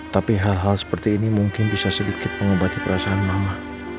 tapi hal hal seperti ini mungkin bisa sedikit mengobati perasaan mama